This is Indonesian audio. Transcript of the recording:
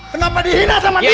kenapa dihina sama dia